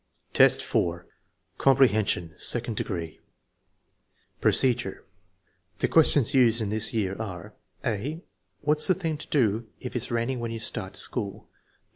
I, 4. Comprehension, second degree Procedure. The questions used in this year are: (a) " What 9 5 the thing to do if it is raining when you start to school?"